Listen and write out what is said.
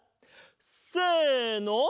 せの。